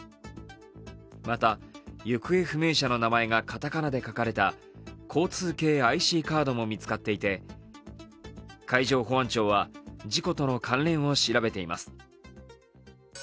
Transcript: また行方不明者の名前がかたかなで書かれた交通系ＩＣカードも見つかっていて、海上保安庁は事故との関連を調べています。